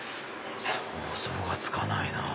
想像がつかないなぁ。